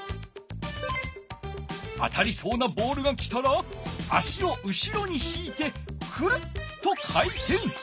当たりそうなボールが来たら足を後ろにひいてくるっと回てん。